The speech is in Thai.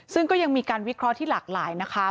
ซึ่งก็ยังมีการวิเคราะห์ที่หลากหลายนะคะ